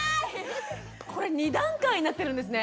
これ２段階になってるんですね。